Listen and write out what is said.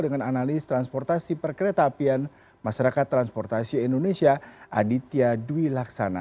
dengan analis transportasi perkereta apian masyarakat transportasi indonesia aditya dwi laksana